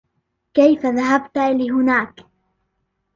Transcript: كيف رحت لهونيك ؟